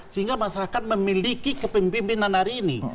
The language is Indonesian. sehingga masyarakat memiliki kepemimpinan hari ini